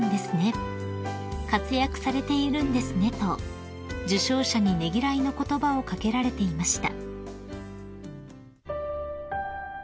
「活躍されているんですね」と受賞者にねぎらいの言葉を掛けられていました］